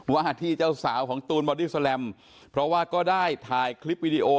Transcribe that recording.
ว่าที่เจ้าสาวของตูนบอดี้แลมเพราะว่าก็ได้ถ่ายคลิปวิดีโอ